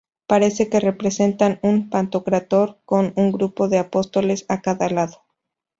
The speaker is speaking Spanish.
Parece que representan un pantocrátor con un grupo de apóstoles a cada lado.